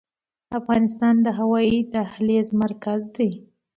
افغانستان د هوایي دهلیز مرکز دی؟